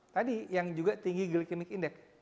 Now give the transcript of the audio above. tadi yang juga tinggi gilikimik indek